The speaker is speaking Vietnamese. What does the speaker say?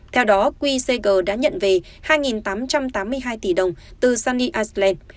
theo đó quy sager đã nhận về hai tám trăm tám mươi hai tỷ đồng từ sunny island